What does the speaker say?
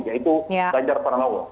yaitu ganjar pranowo